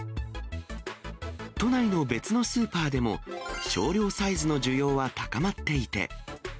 都内の別のスーパーでも、少量サイズの需要は高まっていて。